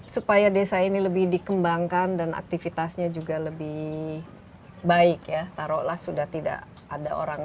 supaya desa ini lebih dikembangkan dan aktivitasnya juga lebih baik ya taruhlah sudah tidak ada orang